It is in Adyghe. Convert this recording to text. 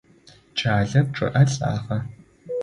Кӏалэр чъыӏэ лӏагъэ.